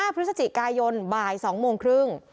พฤศจิกายนบ่าย๒โมงครึ่ง